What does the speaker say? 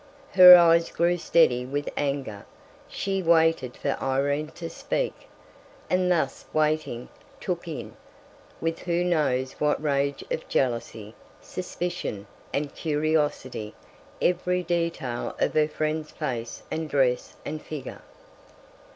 Her eyes grew steady with anger; she waited for Irene to speak; and thus waiting, took in, with who knows what rage of jealousy, suspicion, and curiosity, every detail of her friend's face and dress and figure.